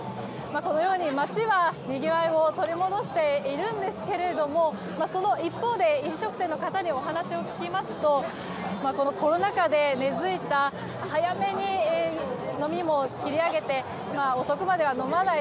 このように街はにぎわいを取り戻しているんですがその一方で飲食店の方にお話を聞きますとこのコロナ禍で根付いた早めに飲みも切り上げて遅くまでは飲まない。